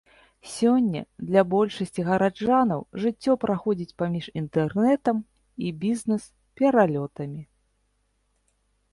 Сёння для большасці гараджанаў жыццё праходзіць паміж інтэрнэтам і бізнес-пералётамі.